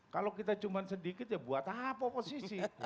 kalau kita cuma sedikit ya buat apa oposisi